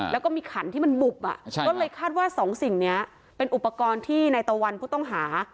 แล้วก็มีขันที่มันบุบก็เลยคาดว่าสองสิ่งนี้เป็นอุปกรณ์ที่ในตะวันผู้ต้องหา